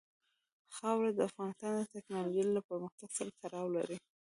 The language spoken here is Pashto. خاوره د افغانستان د تکنالوژۍ له پرمختګ سره تړاو لري.